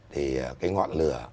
thì cái ngọn lửa